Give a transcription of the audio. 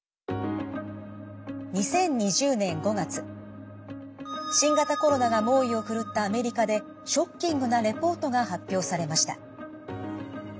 ２０２０年５月新型コロナが猛威を振るったアメリカでショッキングなレポートが発表されました。